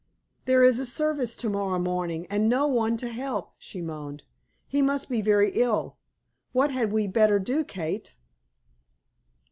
"There is a service to morrow morning, and no one to help," she moaned. "He must be very ill. What had we better do, Kate?"